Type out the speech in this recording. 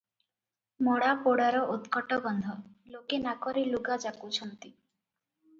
ମଡ଼ା ପୋଡ଼ାର ଉତ୍କଟ ଗନ୍ଧ, ଲୋକେ ନାକରେ ଲୁଗା ଯାକୁଛନ୍ତି ।